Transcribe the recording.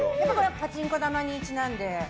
パチンコ玉にちなんで？